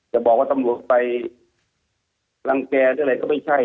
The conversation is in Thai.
อย่าบอกว่าตำรวจไปรังเกียร์หรืออะไรก็ไม่ใช่